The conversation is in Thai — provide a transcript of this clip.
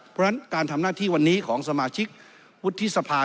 เพราะฉะนั้นการทำหน้าที่วันนี้ของสมาชิกวุฒิสภา